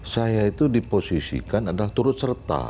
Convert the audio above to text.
saya itu diposisikan adalah turut serta